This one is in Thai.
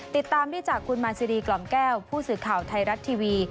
ติดตามได้จากคุณมาซีรีกล่อมแก้วผู้สื่อข่าวไทยรัฐทีวี